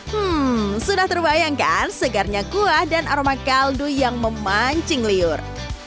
hmm sudah terbayangkan segarnya kuah dan aroma kaldu yang memancing liur